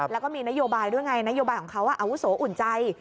แล้วก็มีนโยบายด้วยไงนโยบายของเขาอาวุโสอุ่นใจ